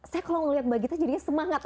saya kalau melihat mbak gita jadinya semangat